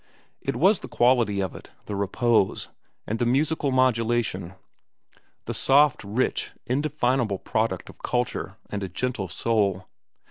It was the quality of it, the repose, and the musical modulation—the soft, rich, indefinable product of culture and a gentle soul.